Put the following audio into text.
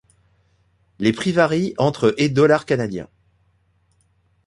Les prix varient entre et dollars canadiens.